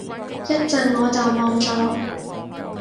一陣我就冇咗